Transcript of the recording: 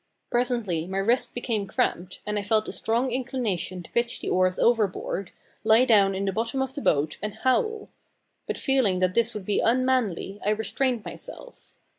Presently my wrists became cramped, and I felt a strong inclination to pitch the oars overboard, lie down in the bottom of the boat, and howl! But feeling that this would be unmanly, I restrained myself.